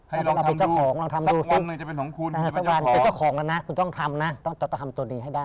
ให้ลองทำดูสักวันหนึ่งจะเป็นของคุณเป็นเจ้าของนะคุณต้องทำนะต้องทำตัวนี้ให้ได้